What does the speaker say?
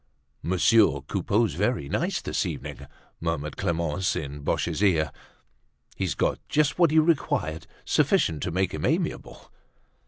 "Monsieur Coupeau's very nice this evening," murmured Clemence in Boche's ear. "He's just got what he required, sufficient to make him amiable."